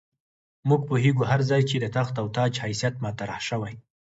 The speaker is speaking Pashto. موږ پوهېږو هر ځای چې د تخت او تاج حیثیت مطرح شوی.